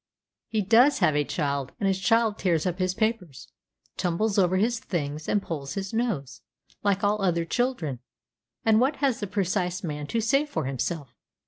He does have a child, and his child tears up his papers, tumbles over his things, and pulls his nose, like all other children; and what has the precise man to say for himself?